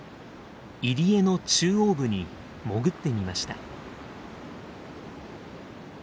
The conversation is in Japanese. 入り江の中央部に潜ってみました。